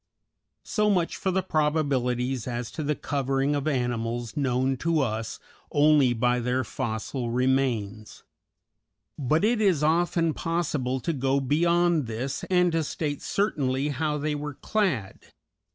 So much for the probabilities as to the covering of animals known to us only by their fossil remains; but it is often possible to go beyond this, and to state certainly how they were clad.